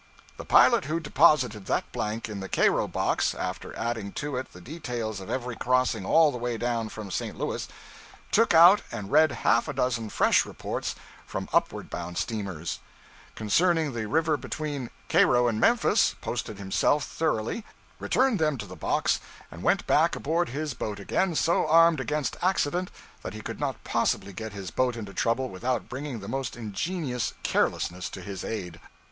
The pilot who deposited that blank in the Cairo box (after adding to it the details of every crossing all the way down from St. Louis) took out and read half a dozen fresh reports (from upward bound steamers) concerning the river between Cairo and Memphis, posted himself thoroughly, returned them to the box, and went back aboard his boat again so armed against accident that he could not possibly get his boat into trouble without bringing the most ingenious carelessness to his aid.